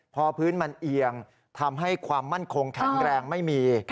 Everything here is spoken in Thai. พอพื้นมันเอียงทำให้ความมั่นคงแข็งแรงไม่มี